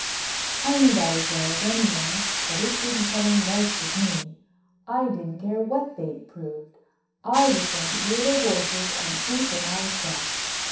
I knew that as well as anyone, but it didn't cut any ice with me, I didn't care what they'd proved. I was going to hear their voices and see for myself.